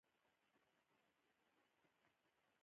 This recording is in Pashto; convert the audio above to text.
افغانستان تر هغو نه ابادیږي، ترڅو ملي یووالی رښتینی نشي.